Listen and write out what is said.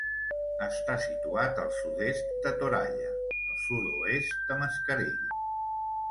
Està situat al sud-est de Toralla, al sud-oest de Mascarell.